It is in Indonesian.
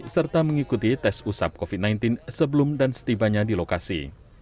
serta mengikuti tes usap covid sembilan belas sebelum dan setibanya di lokasi